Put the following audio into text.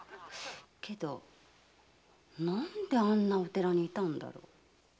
けど何であんなお寺にいたんだろう？